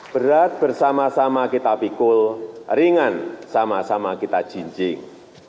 berat bersama sama kita pikul ringan sama sama kita jinjing